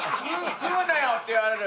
「食うなよ！」って言われる。